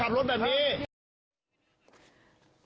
เฮรี่เนี้ย